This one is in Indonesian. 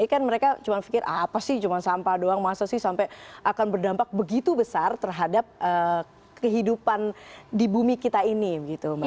kan mereka cuma pikir apa sih cuma sampah doang masa sih sampai akan berdampak begitu besar terhadap kehidupan di bumi kita ini gitu mbak